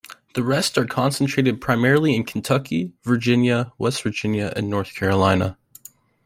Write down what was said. The rest are concentrated primarily in Kentucky, Virginia, West Virginia, and North Carolina.